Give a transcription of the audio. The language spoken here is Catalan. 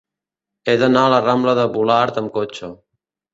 He d'anar a la rambla de Volart amb cotxe.